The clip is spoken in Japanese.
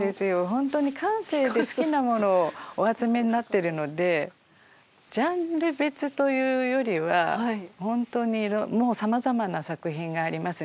ホントに感性で好きなものをお集めになってるのでジャンル別というよりは様々な作品がありますね。